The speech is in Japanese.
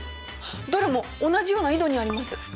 どれも同じような緯度にあります。